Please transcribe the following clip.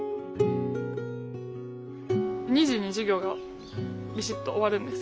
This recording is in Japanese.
２時に授業がビシッと終わるんですけど。